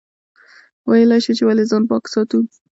ویلای شئ چې ولې ځان پاک ساتو؟